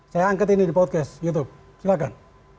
saya angkat ini di podcast youtube silahkan